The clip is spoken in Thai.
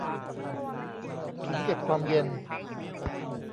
ถุงเก็บความเย็น